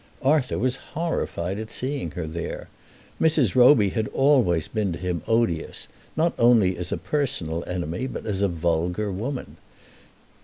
Arthur was horrified at seeing her. Mrs. Roby had always been to him odious, not only as a personal enemy but as a vulgar woman.